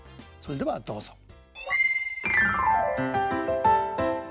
それではどうぞ。